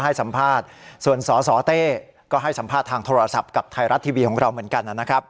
ให้สัมภาษณ์ส่วนสสเต้ก็ให้สัมภาษณ์ทางโทรศัพท์กับไทยรัฐทีวีของเราเหมือนกันนะครับ